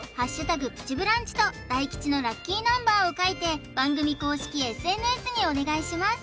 プチブランチと大吉のラッキーナンバーを書いて番組公式ＳＮＳにお願いします